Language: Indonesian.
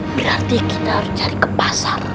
berarti kita harus cari ke pasar